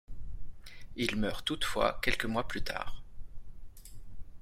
Il meurt toutefois quelques mois plus tard.